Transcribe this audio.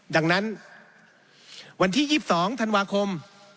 ดังนั้นวันที่๒๒ธันวาคม